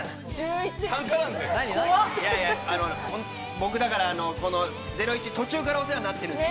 僕、だから、『ゼロイチ』途中からお世話になってるんです。